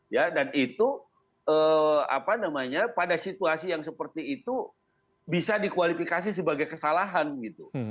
ya dan itu apa namanya pada situasi yang seperti itu bisa dikualifikasi sebagai kesalahan gitu